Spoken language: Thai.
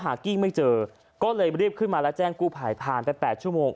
กิ้งไม่เจอก็เลยรีบขึ้นมาแล้วแจ้งกู้ภัยผ่านไป๘ชั่วโมง